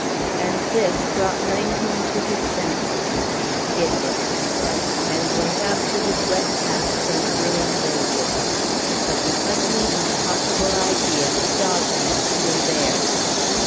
And this brought Langholm to his senses. "Idiot!" he said, and went out to his wet paths and ruined roses. But the ugly impossible idea dogged him even there.